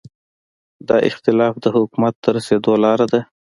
دا اختلاف د حکومت ته رسېدو لاره ده.